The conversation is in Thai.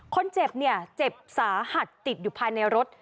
คนเจ็บเนี่ยเจ็บสาหัสติดอยู่ภายในรถ